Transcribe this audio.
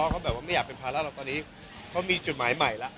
เขาแบบว่าไม่อยากเป็นภาระหรอกตอนนี้เขามีจุดหมายใหม่แล้ว